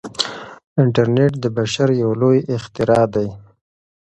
انټرنیټ د بشر یو لوی اختراع دی.